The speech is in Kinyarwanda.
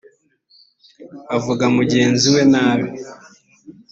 avuga mugenzi we nabi